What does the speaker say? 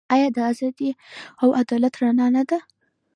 آیا د ازادۍ او عدالت رڼا نه ده؟